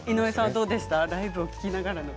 どうでしたか？